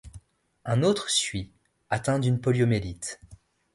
Un autre suit, atteint d'une poliomyélite.